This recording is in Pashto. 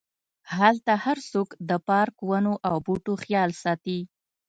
هلته هرڅوک د پارک، ونو او بوټو خیال ساتي.